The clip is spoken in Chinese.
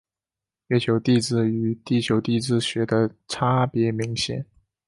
月球地质与地球地质学差别明显。